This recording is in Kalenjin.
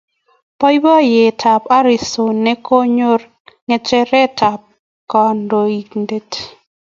Boiboyetab Harrison ne konyor ngecheret ab kandoindet